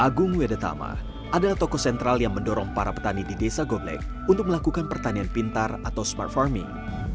agung wedetama adalah toko sentral yang mendorong para petani di desa goblet untuk melakukan pertanian pintar atau smart farming